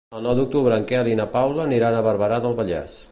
El nou d'octubre en Quel i na Paula aniran a Barberà del Vallès.